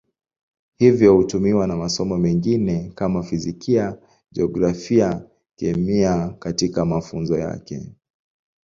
Hivyo hutumiwa na masomo mengine kama Fizikia, Jiografia, Kemia katika mafunzo yake.